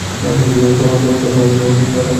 তখন আমাকে ক্ষান্ত হইতে হইল।